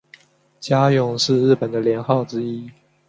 嘉永是日本的年号之一。